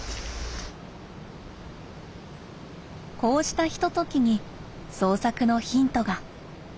こうしたひとときに創作のヒントが。